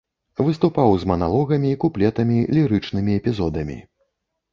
Выступаў з маналогамі, куплетамі, лірычнымі эпізодамі.